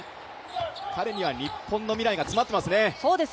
彼には日本の未来が詰まっていますね。